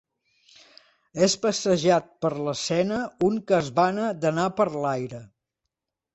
És passejat per l'escena un que es vana d'anar per l'aire.